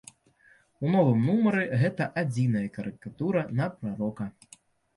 У новым нумары гэта адзіная карыкатура на прарока.